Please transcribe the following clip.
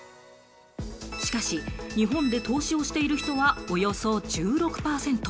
しかし日本で投資をしている人はおよそ１６％。